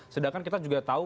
sedangkan kita juga tahu